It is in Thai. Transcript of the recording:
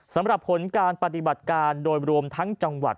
สำหรับผลการปฏิบัติการโดยรวมทั้งจังหวัด